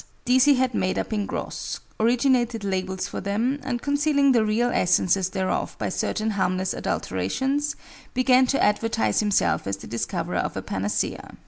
These he had made up in gross, originated labels for them, and concealing the real essences thereof by certain harmless adulterations, began to advertise himself as the discoverer of a panacea.